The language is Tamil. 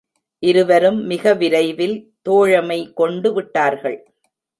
இருவரும் மிக விரைவில் தோழமை கொண்டு விட்டார்கள்.